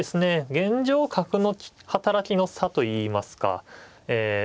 現状角の働きの差といいますかええ。